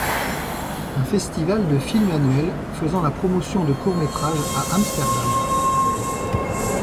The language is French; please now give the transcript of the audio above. Un festival de film annuel faisant la promotion de courts métrages à Amsterdam.